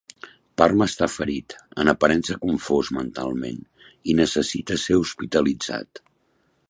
Parma està ferit, en aparença confós mentalment i necessita ser hospitalitzat.